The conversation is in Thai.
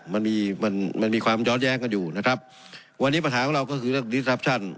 มันมีมันมันมีความย้อนแย้งกันอยู่นะครับวันนี้ปัญหาของเราก็คือเรื่องดิสัปชั่น